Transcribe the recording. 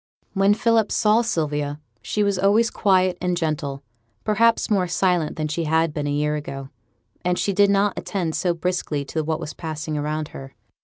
When Philip saw Sylvia she was always quiet and gentle; perhaps more silent than she had been a year ago, and she did not attend so briskly to what was passing around her.